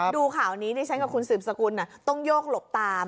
ดูข่าวนี้ดิฉันกับคุณสืบสกุลต้องโยกหลบตาม